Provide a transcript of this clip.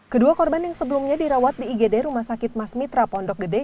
kedua korban yang sebelumnya dirawat di igd rumah sakit mas mitra pondok gede